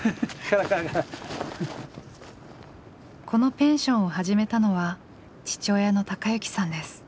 このペンションを始めたのは父親の孝幸さんです。